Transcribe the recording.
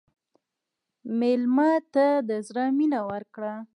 مېلمه ته د زړه مینه ورکړه.